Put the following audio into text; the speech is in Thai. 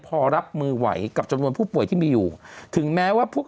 พอรับมือไหวกับจำนวนผู้ป่วยที่มีอยู่ถึงแม้ว่าพวก